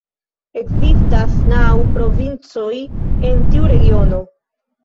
Ekzistas naŭ provincoj en tiu regiono.